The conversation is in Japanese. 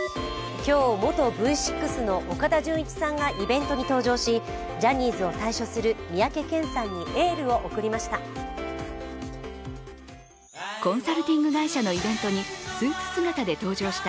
今日元Ｖ６の岡田准一さんがイベントに登場しジャニーズを退所する三宅健さんにエールを送りました。